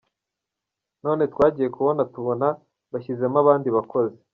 None twagiye kubona tubona bashyizemo abandi bakozi.